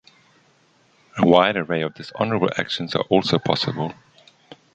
A wide array of dishonorable actions are also possible.